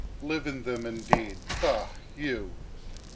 "Live in them, indeed! Bah, you!...